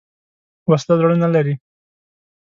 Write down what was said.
وسله زړه نه لري